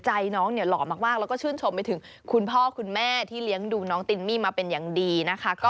ใจน้องเนี่ยหล่อมากแล้วก็ชื่นชมไปถึงคุณพ่อคุณแม่ที่เลี้ยงดูน้องตินมี่มาเป็นอย่างดีนะคะ